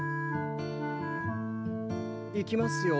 いきますよ。